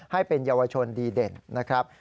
ให้เป็นเยาวชนดีเด่นนะครับ